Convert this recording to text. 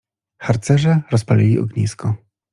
harcerze rozpalli ognisko